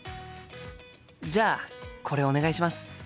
じゃあこれお願いします。